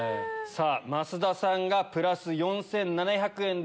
増田さんがプラス４７００円で。